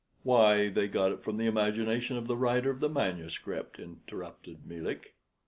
"Why, they got it from the imagination of the writer of the manuscript," interrupted Melick.